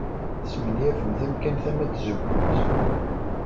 Tesmenyafemt amkan tama n tzewwut.